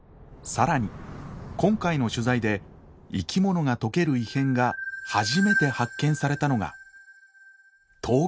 更に今回の取材で生き物が溶ける異変が初めて発見されたのが東京湾だ。